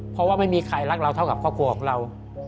เพราะว่าไม่มีใครรักเราเท่ากับครอบครัวของเรา